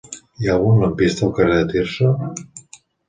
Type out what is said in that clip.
Hi ha algun lampista al carrer de Tirso?